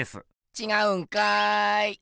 ちがうんかい！